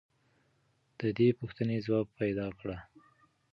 د دې پوښتنې ځواب پیدا کړه.